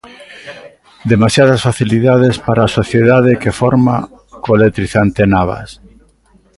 Demasiadas facilidades para a sociedade que forma co electrizante Navas.